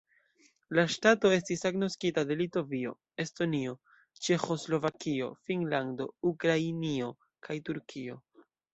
La ŝtato estis agnoskita de Litovio, Estonio, Ĉeĥoslovakio, Finnlando, Ukrainio kaj Turkio.